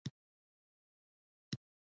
تواریخ او اسناد په فارسي ژبه لیکل شوي.